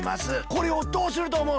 これをどうするとおもう？